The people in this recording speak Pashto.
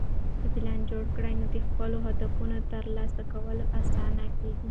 که پلان جوړ کړې، نو د خپلو هدفونو ترلاسه کول اسانه کېږي.